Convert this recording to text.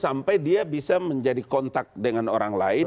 sampai dia bisa menjadi kontak dengan orang lain